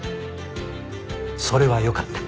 それはよかった。